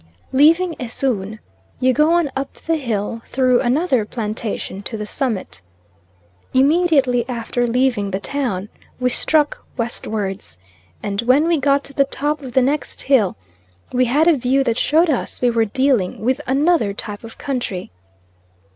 Leaving Esoon you go on up the hill through another plantation to the summit. Immediately after leaving the town we struck westwards; and when we got to the top of the next hill we had a view that showed us we were dealing with another type of country.